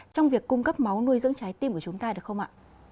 trong việc cung cấp máu nuôi dưỡng trái tim của chúng ta được không ạ